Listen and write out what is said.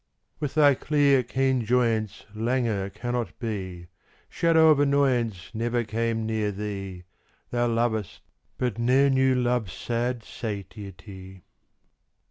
With thy clear keen joyance Languor cannot be: Shadow of annoyance Never came near thee: Thou lovest, but ne'er knew love's sad satiety.